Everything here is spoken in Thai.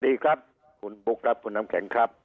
สวัสดีครับคุณบุ๊คครับคุณน้ำแข็งครับ